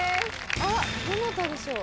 あっどなたでしょう？